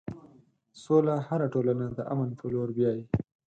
سوله هره ټولنه د امن په لور بیایي.